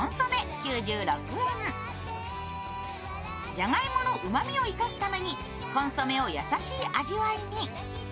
じゃがいものうまみを生かすためにコンソメを優しい味わいに。